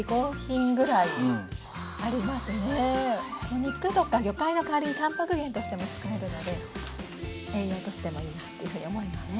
もう肉とか魚介の代わりにたんぱく源としても使えるので栄養としてもいいなっていうふうに思います。